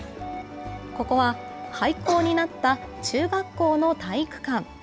ここは、廃校になった中学校の体育館。